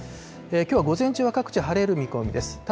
きょうは午前中は各地、晴れる見込みです。